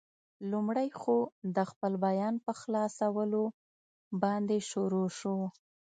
لومړی خو، د خپل بیان په خلاصولو باندې شروع شو.